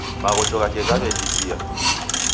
Maghocho ghake ghaw'edidia